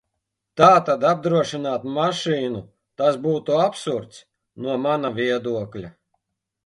Tātad apdrošināt mašīnu, tas būtu absurds, no mana viedokļa.